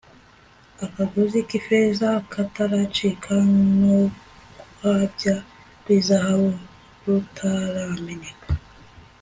akagozi k'ifeza kataracika n'urwabya rw'izahabu rutarameneka